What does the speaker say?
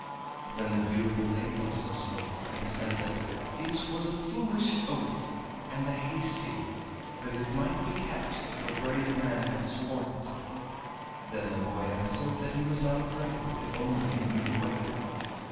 Then the beautiful lady also spoke, and said that "it was a foolish oath and a hasty, but it might be kept if a brave man had sworn it." Then the boy answered that he was not afraid, if only he knew the way.